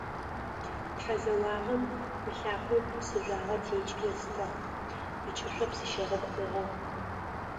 Тхьэзэуагъэм ылъакъо псыжъуагъэ текӏи ыстыгъ, ыкӏышъо псыщэрэб хъугъэ.